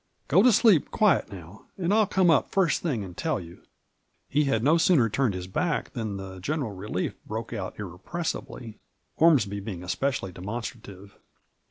... Go to sleep quiet now, and I'll come up first thing and tell you." He had no sooner turned his back than the general relief broke out irrepressibly, Ormsby being especially demonstrative.